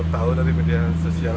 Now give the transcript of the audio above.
tahu dari media sosial